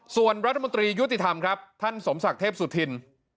ส่วนรัฐมนตรียุติธรรมครับท่านสมศักดิ์เทพสุธิน